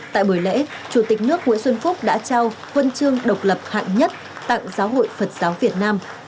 tại buổi lễ chủ tịch nước nguyễn xuân phúc đã trao huân chương độc lập hạng nhất tặng giáo hội phật giáo việt nam